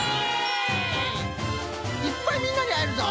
いっぱいみんなにあえるぞ。